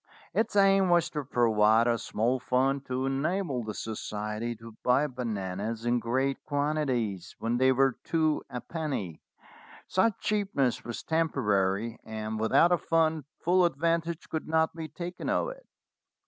Its aim was to provide a small fund to enable the society to buy bananas in great quantities when they were two a penny. Such cheapness was temporary, and without a fund full advantage could not be taken of it.